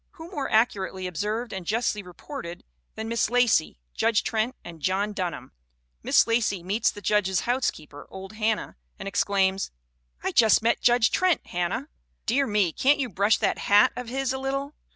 Who more ac curately observed and justly reported than Miss Lacey, Judge Trent and John Dunham? Miss Lacey meets the judge's housekeeper, old Hannah, and ex claims :" 'I just met Judge Trent, Hannah. Dear me, can't you brush that hat of his a little?